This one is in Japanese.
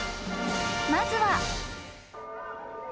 ［まずは］